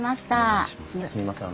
すみません